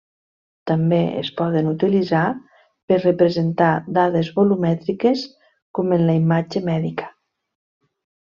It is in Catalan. També es poden utilitzar per representar dades volumètriques com en la imatge mèdica.